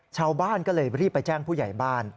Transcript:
ชาวบ้านก็เลยรีบไปแจ้งผู้ใหญ่บ้าน